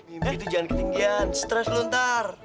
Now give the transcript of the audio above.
mimpi itu jangan ketinggian stress lu ntar